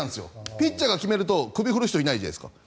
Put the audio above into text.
ピッチャーが決めると首を振る人がいないじゃないですか。